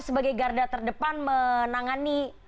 sebagai garda terdepan menangani